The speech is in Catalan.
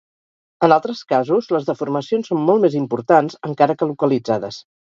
En altres casos, les deformacions són molt més importants, encara que localitzades.